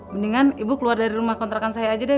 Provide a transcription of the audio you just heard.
mendingan ibu keluar dari rumah kontrakan saya aja deh